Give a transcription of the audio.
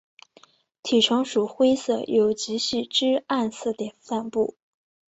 体成鼠灰色有极细之暗色点散布。